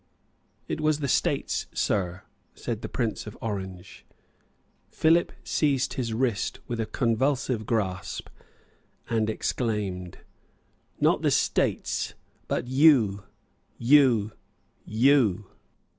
"It was the States, Sir," said the Prince of Orange. Philip seized his wrist with a convulsive grasp, and exclaimed, "Not the States, but you, you, you."